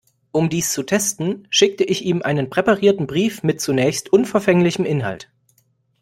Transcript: Um dies zu testen, schickte ich ihm einen präparierten Brief mit zunächst unverfänglichem Inhalt.